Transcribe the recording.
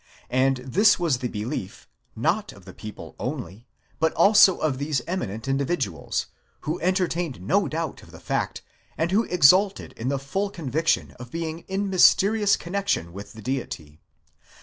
And this was the belief, not of the people only, but also of these eminent individuals, who entertained no doubt of the fact, and who exulted in the full conviction of being in mysterious connexion with the Deity.